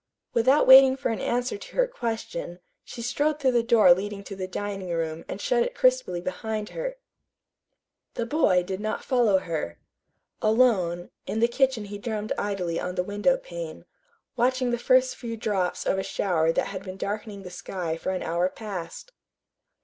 Without waiting for an answer to her question, she strode through the door leading to the dining room and shut it crisply behind her. The boy did not follow her. Alone, in the kitchen he drummed idly on the window pane, watching the first few drops of a shower that had been darkening the sky for an hour past.